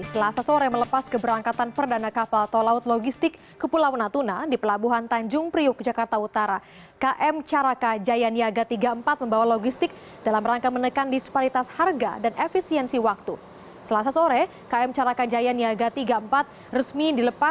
pembangunan budi karya sumadi